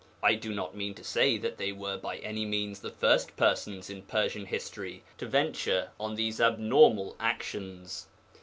I do not mean to say that they were by any means the first persons in Persian history to venture on these abnormal actions.